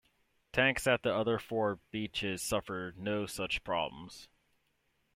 Tanks at the other four beaches suffered no such problems.